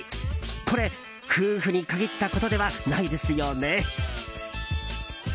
これ、夫婦に限ったことではないですよね？